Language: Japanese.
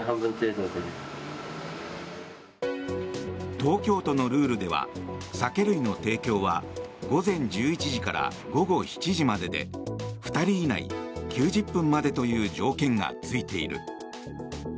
東京都のルールでは酒類の提供は午前１１時から午後７時までで２人以内９０分までという条件がついている。